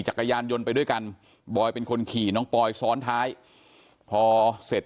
จักรยานยนต์ไปด้วยกันบอยเป็นคนขี่น้องปอยซ้อนท้ายพอเสร็จ